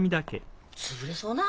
潰れそうな？